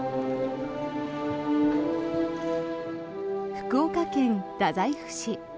福岡県太宰府市。